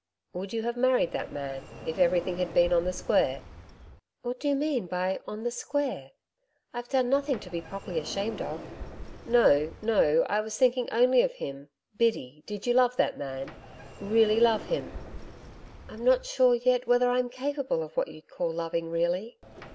'Would you have married that man if everything had been on the square?' 'What do you mean by "on the square"? I've done nothing to be properly ashamed of!' 'No no I was thinking only of him, Biddy, did you love that man? really love him?' 'I'm not sure yet whether I'm capable of what you'd call loving really.